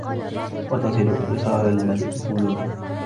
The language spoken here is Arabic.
وَتَصِلُ وِصَالَ الْمَلُولِ